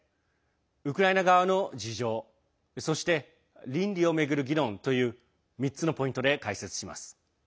ウクライナ側の事情そして、倫理をめぐる議論という３つのポイントで解説します。